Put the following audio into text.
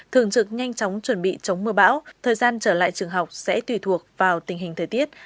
thường trực nhanh chóng chuẩn bị chống mưa bão thời gian trở lại trường học sẽ tùy thuộc vào tình hình thời tiết